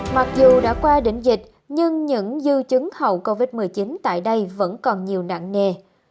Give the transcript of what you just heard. mặc dù đã qua đỉnh dịch nhưng những dư chứng hậu covid một mươi chín tại đây vẫn còn nhiều nặng nề